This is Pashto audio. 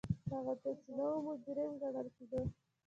هغه څوک چې نه و مجرم ګڼل کېده.